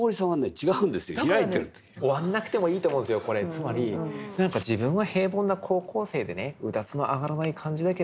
つまり何か自分は平凡な高校生でねうだつの上がらない感じだけれどね